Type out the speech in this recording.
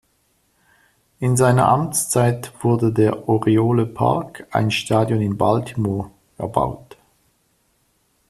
In seiner Amtszeit wurde der Oriole Park, ein Stadion in Baltimore, erbaut.